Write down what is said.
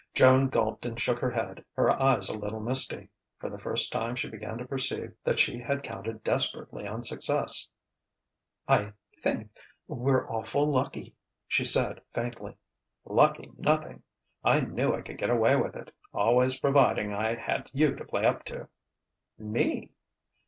Joan gulped and shook her head, her eyes a little misty. For the first time she began to perceive that she had counted desperately on success. "I think we're awful' lucky!" she said faintly. "Lucky nothing! I knew I could get away with it always providing I had you to play up to." "Me!"